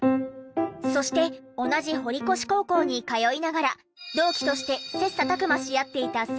そして同じ堀越高校に通いながら同期として切磋琢磨し合っていた３人。